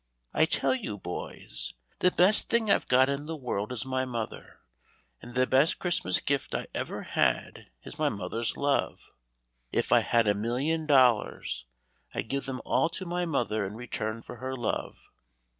I tell you, boys, the best thing I've got in the world is my mother, and the best Christmas gift I ever had is my mother's love. If I had a million dollars, I'd give them all to my mother in return for her love.